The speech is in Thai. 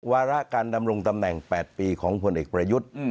วาระการดำรงตำแหน่ง๘ปีของผลเอกประยุทธ์